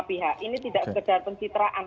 pihak ini tidak sekedar pencitraan